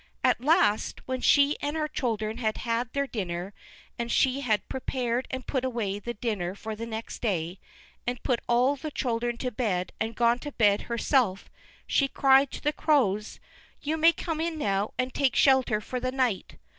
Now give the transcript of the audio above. At last, when she and her children had had their dinner, and she had prepared and put away the dinner for next day, and had put all the children to bed and gone to bed herself, she cried to the Crows: "You may come in now and take shelter for the night."